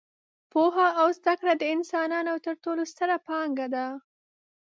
پوهه او زده کړه د انسانانو تر ټولو ستره پانګه ده.